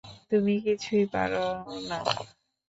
তুমি কিছুই পারোনা।